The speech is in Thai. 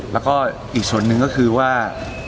แล้วก็อีกส่วนหนึ่งก็คือว่า